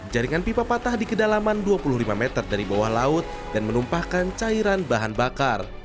jaringan pipa patah di kedalaman dua puluh lima meter dari bawah laut dan menumpahkan cairan bahan bakar